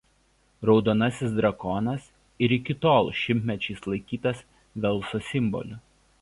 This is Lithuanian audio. Raudonasis drakonas ir iki tol šimtmečiais laikytas Velso simboliu.